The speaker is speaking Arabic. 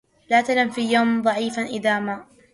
لا تلم في يوم ضعيفا اذا ما